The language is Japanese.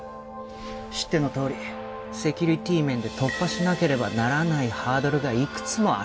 知ってのとおりセキュリティー面で突破しなければならないハードルがいくつもある